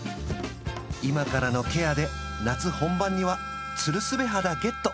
今からのケアで夏本番にはツルスベ肌ゲット